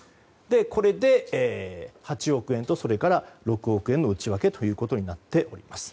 これで８億円とそれから６億円の内訳となっております。